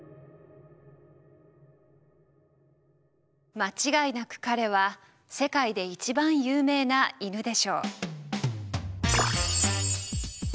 間違いなく彼は世界で一番有名な犬でしょう。